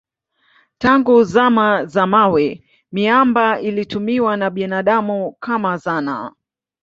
Tangu zama za mawe miamba ilitumiwa na binadamu kama zana.